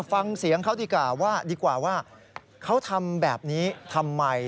ฟังเสียงเขาดีกว่าว่าเขาทำแบบนี้ทำไม